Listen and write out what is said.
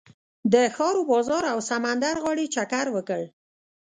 د ښار و بازار او سمندر غاړې چکر وکړ.